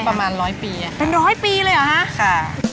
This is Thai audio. ประมาณร้อยปีอ่ะเป็นร้อยปีเลยเหรอฮะค่ะ